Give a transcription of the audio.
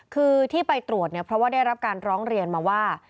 คือที่ไปตรวจเนี่ยเพราะว่าได้รับการร้องเรียนมาว่า